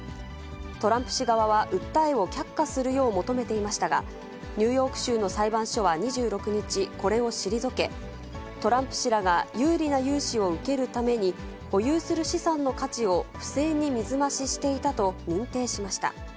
トランプ氏側は訴えを却下するよう求めていましたが、ニューヨーク州の裁判所は２６日、これを退け、トランプ氏らが有利な融資を受けるために、保有する資産の価値を不正に水増ししていたと認定しました。